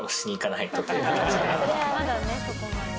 まだねそこまで。